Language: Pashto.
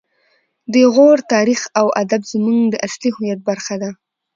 د غور تاریخ او ادب زموږ د اصلي هویت برخه ده